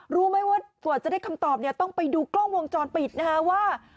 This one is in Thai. รู้ไหมว่ากว่าจะได้คำตอบเนี่ยต้องไปดูกล้องวงจรปิดนะฮะว่า